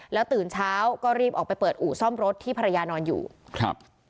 แล้วตื่นเช้าก็รีบออกไปเปิดอู่ซ่อมรถที่ภรรยานอนอยู่ครับ